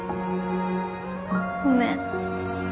ごめん。